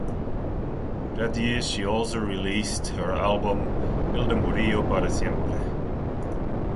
That year she also released her album "Hilda Murillo para siempre".